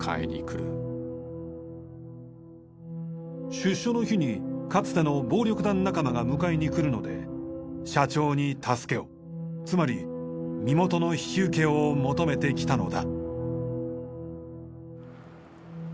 出所の日にかつての暴力団仲間が迎えに来るので社長に助けをつまり身元の引き受けを求めてきたのだ。